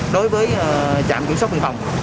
đối với trạm kiểm soát phòng